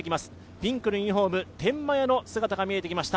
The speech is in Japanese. ピンクのユニフォーム天満屋の姿が見えてきました。